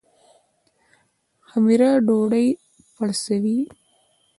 خمیره ډوډۍ پړسوي